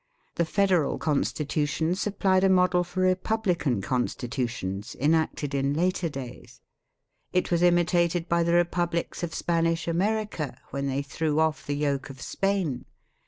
The Federal Constitution supplied a model for republican Constitutions enacted in later days. It was imitated by the republics of Spanish America when they threw off the yoke of Spain.